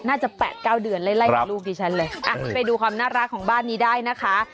น่าจะ๘๙เดือนไล่กว่าลูกดิฉันเลยอ่ะไปดูความน่ารักของบ้านนี้ได้นะคะ